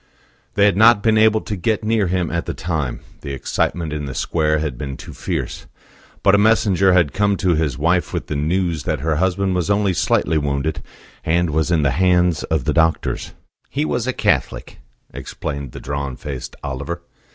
They had not been able to get near him at the time; the excitement in the square had been too fierce; but a messenger had come to his wife with the news that her husband was only slightly wounded, and was in the hands of the doctors. "He was a Catholic," explained the drawn faced Oliver.